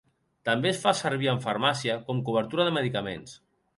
També es fa servir en farmàcia com cobertura de medicaments.